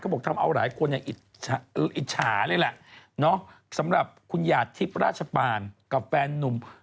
บอกทำเอาหลายคนอิจฉาเลยแหละเนาะสำหรับคุณหยาดทิพย์ราชปานกับแฟนนุ่ม